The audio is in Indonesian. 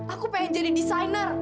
aku pengen jadi desainer